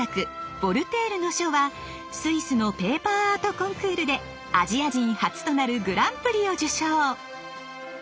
「ヴォルテールの書」はスイスのペーパーアートコンクールでアジア人初となるグランプリを受賞。